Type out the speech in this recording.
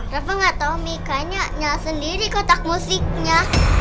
rafa gak tau mika nya nyala sendiri kotak musiknya